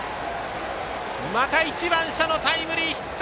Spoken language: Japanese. また１番、謝のタイムリーヒット。